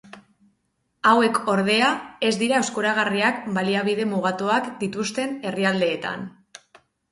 Hauek ordea, ez dira eskuragarriak baliabide mugatuak dituzten herrialdeetan.